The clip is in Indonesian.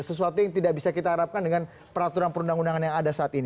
sesuatu yang tidak bisa kita harapkan dengan peraturan perundang undangan yang ada saat ini